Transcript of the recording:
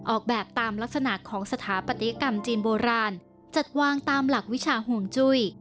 ออกแบบตามลักษณะของสถาปัตยกรรมจีนโบราณจัดวางตามหลักวิชาห่วงจุ้ย